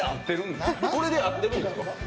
これで合ってるんですか？